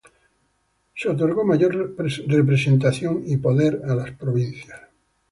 Se otorgó mayor representación y poder a las provincias.